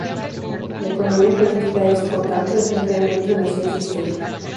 La economía política es, por tanto, esencialmente una ciencia "histórica".